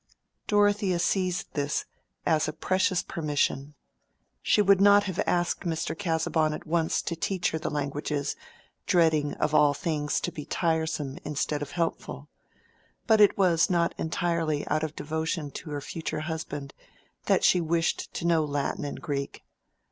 Dorothea seized this as a precious permission. She would not have asked Mr. Casaubon at once to teach her the languages, dreading of all things to be tiresome instead of helpful; but it was not entirely out of devotion to her future husband that she wished to know Latin and Greek.